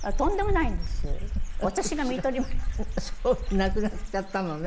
亡くなっちゃったのね。